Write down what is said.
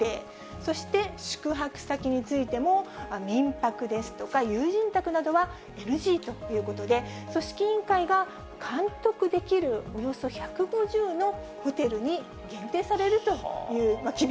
そして宿泊先についても、民泊ですとか、友人宅などはＮＧということで、組織委員会が監督できるおよそ１５０のホテルに限定されるとい